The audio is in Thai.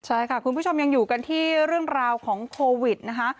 ใช่ค่ะคุณผู้ชมยังอยู่กันที่เรื่องราวของโควิดนะคะ